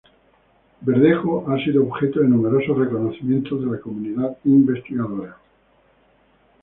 Verdejo ha sido objeto de numerosos reconocimientos de la comunidad investigadora.